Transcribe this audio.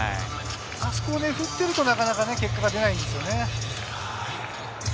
あそこを振っていると、なかなか結果出ないですね。